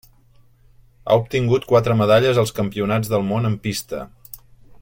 Ha obtingut quatre medalles als Campionats del món en pista.